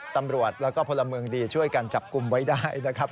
ตำรวจแล้วก็พลเมืองดีช่วยกันจับกลุ่มไว้ได้นะครับ